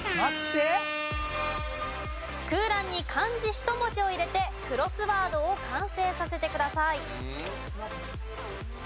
１文字を入れてクロスワードを完成させてください。